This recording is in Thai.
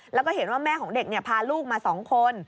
แล้วก็เห็นว่าแม่ของเด็กพาลูกมา๒คน